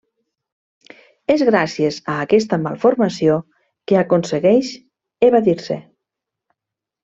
És gràcies a aquesta malformació que aconsegueix evadir-se.